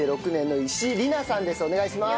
お願いします。